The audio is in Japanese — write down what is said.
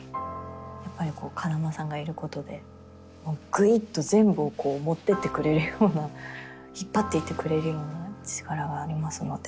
やっぱり風間さんがいることでぐいっと全部を持ってってくれるような引っ張っていってくれる力がありますので。